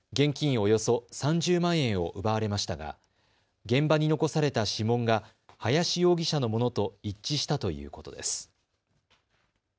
およそ３０万円を奪われましたが現場に残された指紋が林容疑者のものと一致したということです。